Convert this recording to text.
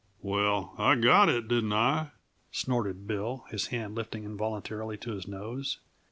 "Well I got it, didn't I?" snorted Bill, his hand lifting involuntarily to his nose.